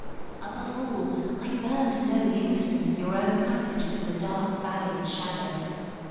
Above all, I burn to know the incidents of your own passage through the dark Valley and Shadow.